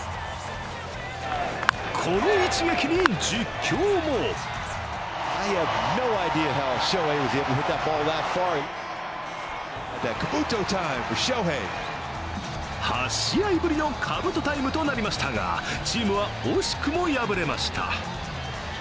この一撃に実況も８試合ぶりのかぶとタイムとなりましたが、チームは惜しくも敗れました。